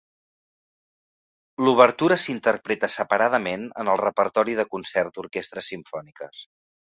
L'obertura s'interpreta separadament en el repertori de concert d'orquestres simfòniques.